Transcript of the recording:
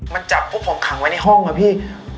มันจับพวกผมขังไว้ในห้องอะพี่